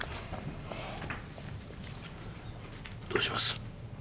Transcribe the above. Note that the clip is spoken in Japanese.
どうします？